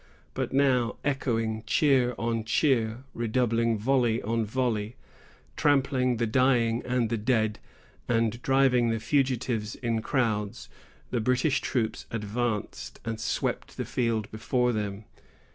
But now, echoing cheer on cheer, redoubling volley on volley, trampling the dying and the dead, and driving the fugitives in crowds, the British troops advanced and swept the field before them.